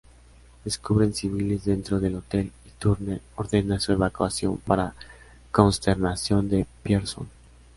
Descubren civiles dentro del hotel, y Turner ordena su evacuación, para consternación de Pierson.